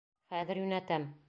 Хәҙер йүнәтәм!